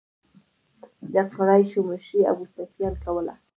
د قریشو مشري ابو سفیان کوله.